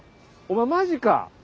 お前マジか？